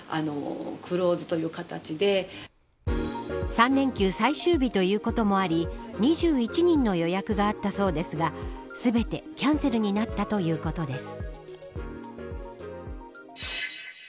３連休最終日ということもあり２１人の予約があったそうですが全てキャンセルになったということです。